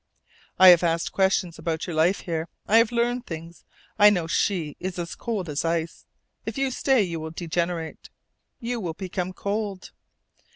"I have asked questions about your life here. I have learned things. I know she is cold as ice. If you stay you will degenerate. You will become a clod.